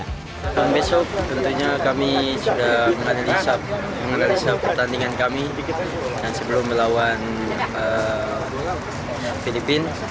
kali ini tentunya kami sudah mengadilisah pertandingan kami sebelum melawan filipina